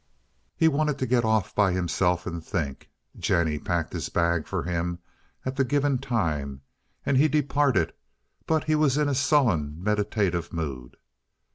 He wanted to get off by himself and think. Jennie packed his bag for him at the given time, and he departed, but he was in a sullen, meditative mood.